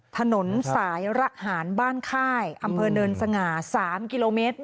ถนนสายระหารบ้านค่ายอำเภอเนินสง่า๓กิโลเมตร